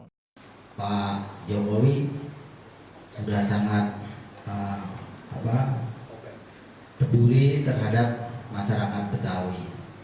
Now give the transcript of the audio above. fbr menilai dukungan ini dilakukan oleh jokowi dan jokowi menjadikan budaya betawi terhadap masyarakat betawi